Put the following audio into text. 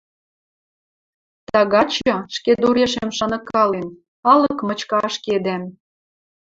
Тагачы, ӹшкедурешем шаныкален, алык мычкы ашкедӓм.